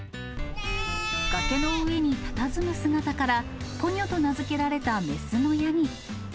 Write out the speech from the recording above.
崖の上にたたずむ姿から、ポニョと名付けられた雌のヤギ。